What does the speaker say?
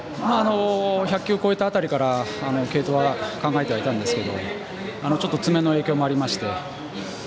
１００球を超えた辺りから継投は考えていたんですけどちょっと爪の影響もありまして。